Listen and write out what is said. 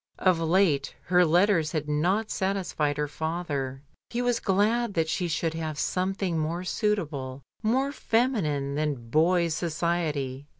Of late her letters had not satisfied her father. He was glad that she should have some thing more suitable, more feminine than boys' society.